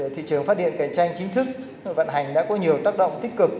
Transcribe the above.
thị trường phát điện cạnh tranh chính thức vận hành đã có nhiều tác động tích cực